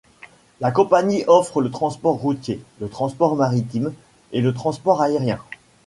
La compagnie offre le transport routier, le transport maritime et le transport aérien.